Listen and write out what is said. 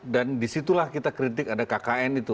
dan disitulah kita kritik ada kkn itu